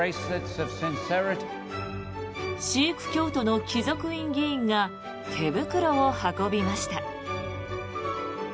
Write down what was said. シーク教徒の貴族院議員が手袋を運びました。